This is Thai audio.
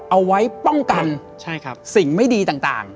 เอาไว้ป้องกันสิ่งไม่ดีต่าง